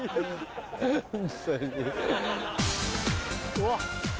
うわっ。